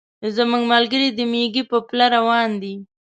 زموږ ملګري د مېږي په پله روان دي.